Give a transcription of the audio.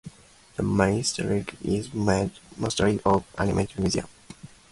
The main structure is made mostly of aluminium.